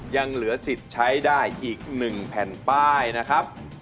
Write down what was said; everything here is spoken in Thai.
ยังเหลือสิทธิ์ใช้ได้อีก๑แผ่นป้ายนะครับ